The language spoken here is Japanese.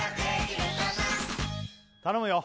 頼むよ